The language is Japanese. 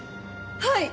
はい！